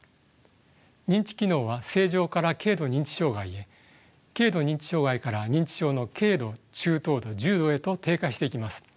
認知機能は正常から軽度認知障害へ軽度認知障害から認知症の軽度中等度重度へと低下していきます。